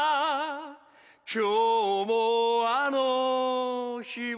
「今日もあの日も」